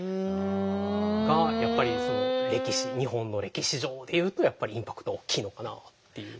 がやっぱり歴史日本の歴史上で言うとやっぱりインパクトが大きいのかなっていう。